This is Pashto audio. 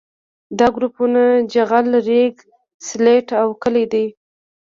دا ګروپونه جغل ریګ سلټ او کلې دي